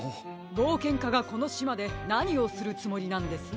ぼうけんかがこのしまでなにをするつもりなんです？